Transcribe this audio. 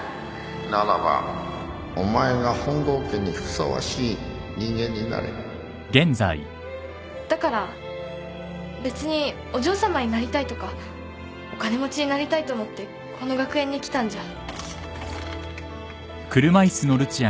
ならばお前が本郷家にふさわしい人間になれだから別にお嬢さまになりたいとかお金持ちになりたいと思ってこの学園に来たんじゃ。